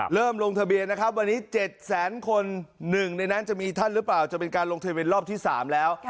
ลงทะเบียนนะครับวันนี้๗แสนคนหนึ่งในนั้นจะมีท่านหรือเปล่าจะเป็นการลงทะเบียนรอบที่๓แล้ว